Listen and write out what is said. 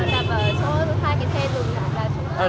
đập ở chỗ hai cái xe đường